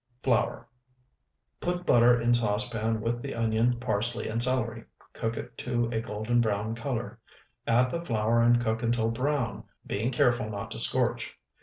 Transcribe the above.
Flour. Put butter in saucepan with the onion, parsley, and celery; cook it to a golden brown color; add the flour and cook until brown, being careful not to scorch.